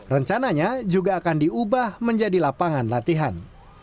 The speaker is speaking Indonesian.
rencananya juga akan diubah menjadi lapangan latihan